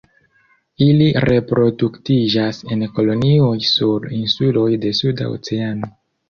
Ili reproduktiĝas en kolonioj sur insuloj de Suda Oceano.